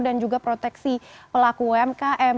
dan juga proteksi pelaku umkm